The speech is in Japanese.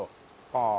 ああ。